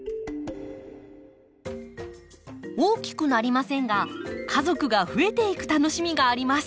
大きくなりませんが家族が増えていく楽しみがあります。